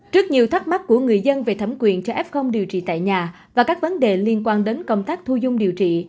trước nhiều thắc mắc của người dân về thẩm quyền cho f điều trị tại nhà và các vấn đề liên quan đến công tác thu dung điều trị